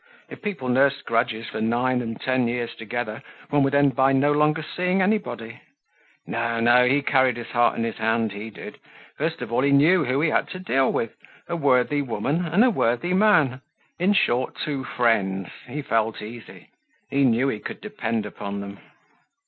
If people nursed grudges for nine and ten years together one would end by no longer seeing anybody. No, no, he carried his heart in his hand, he did! First of all, he knew who he had to deal with, a worthy woman and a worthy man—in short two friends! He felt easy; he knew he could depend upon them.